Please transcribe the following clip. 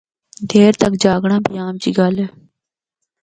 دیر تک جاگنڑا بھی عام جی گل اے۔